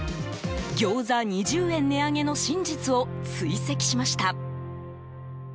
ギョーザ２０円値上げの真実を追跡しました。